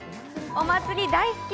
お祭り大好き！